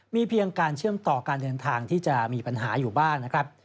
มีเพียงการเชื่อมต่อการเดินทางที่จะมีปัญหาอยู่บ้างนะครับ